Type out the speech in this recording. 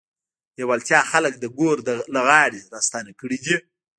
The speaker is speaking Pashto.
لېوالتیا خلک د ګور له غاړې راستانه کړي دي.